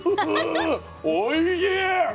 おいしい！